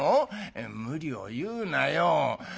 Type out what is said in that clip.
「無理を言うなよ」。